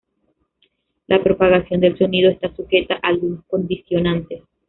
La propagación del sonido está sujeta a algunos condicionantes.